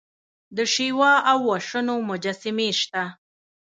د شیوا او وشنو مجسمې شته